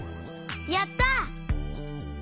やった！